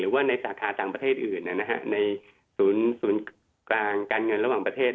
ว่าในสาธาต่างประเทศอื่นในศูนย์กลางการเงินระหว่างประเทศ